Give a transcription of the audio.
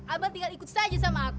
abang tinggal ikut saja sama aku